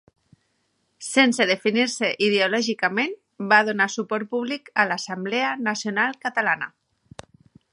Sense definir-se ideològicament, va donar suport públic a l’Assemblea Nacional Catalana.